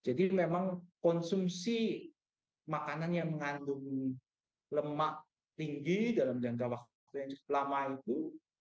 jadi memang konsumsi makanan yang mengandung lemak tinggi dalam jangka waktu yang cukup lama itu